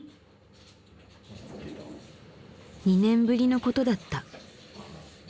２年ぶりのことだった。